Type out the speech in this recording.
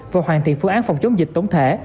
và hoàn thiện phương án phòng chống dịch tổng thể